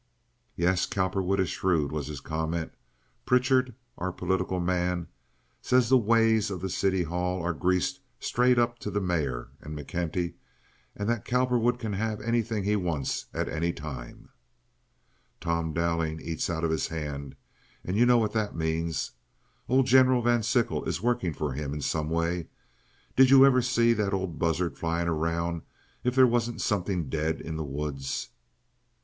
"Yes, Cowperwood is shrewd," was his comment. "Pritchard, our political man, says the ways of the City Hall are greased straight up to the mayor and McKenty, and that Cowperwood can have anything he wants at any time. Tom Dowling eats out of his hand, and you know what that means. Old General Van Sickle is working for him in some way. Did you ever see that old buzzard flying around if there wasn't something dead in the woods?"